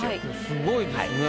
すごいですね。